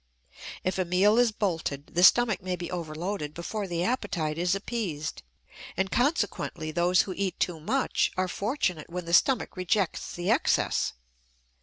If a meal is bolted the stomach may be overloaded before the appetite is appeased; and consequently those who eat too much are fortunate when the stomach rejects the excess.